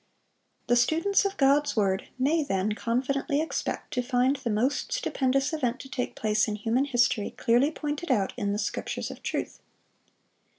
(532) The students of God's word may, then, confidently expect to find the most stupendous event to take place in human history clearly pointed out in the Scriptures of truth.